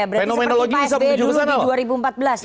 berarti seperti pak sby dulu di dua ribu empat belas ya